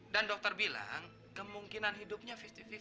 dan dokter bilang kemungkinan hidupnya lima puluh lima puluh